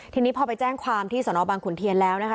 ทีนี้พอไปแจ้งความที่สนบางขุนเทียนแล้วนะคะ